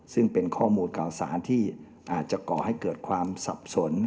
ซึ่งเป็นข้อมูลข่าวสารที่อาจจะก่อให้เกิดความสับสน